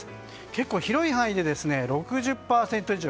結構、広い範囲で６０％以上。